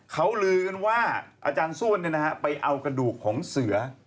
เขาลือกันว่าอาจารย์ส้วนไปเอากระดูกของเสือ